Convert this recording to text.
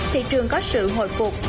thị trường có sự hồi phục